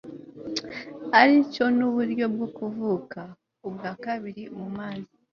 aricyo nuburyo bwo kuvuka ubwa kabiri mumazi